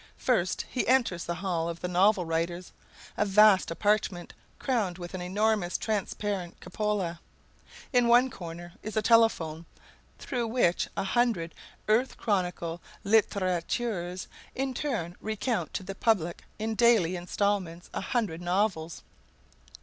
First he enters the hall of the novel writers, a vast apartment crowned with an enormous transparent cupola. In one corner is a telephone, through which a hundred Earth Chronicle littérateurs in turn recount to the public in daily installments a hundred novels.